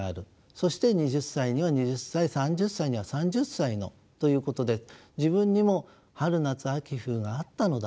そして２０歳には２０歳３０歳には３０歳のということで自分にも春夏秋冬があったのだ。